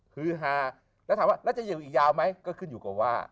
ฮือฮาแล้วถามว่าแล้วจะอยู่อีกยาวไหมก็ขึ้นอยู่กับว่า